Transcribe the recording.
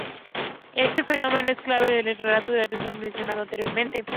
Este fenómeno es clave en el relato de Anderson mencionado anteriormente.